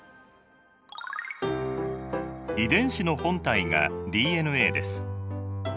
遺伝子の本体がＤＮＡです。